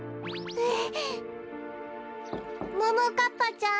えっ？